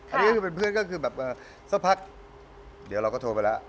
อันนี้ก็คือเป็นเพื่อนก็คือแบบสักพักเดี๋ยวเราก็โทรไปแล้ว